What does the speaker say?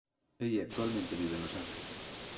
Ella actualmente vive en Los Ángeles.